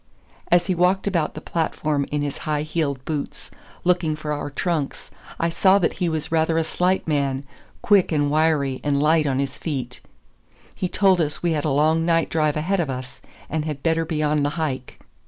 As he walked about the platform in his high heeled boots, looking for our trunks, I saw that he was a rather slight man, quick and wiry, and light on his feet. He told us we had a long night drive ahead of us, and had better be on the hike.